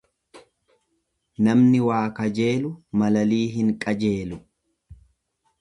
Namni waa kajeelu malalii hin qajeelu.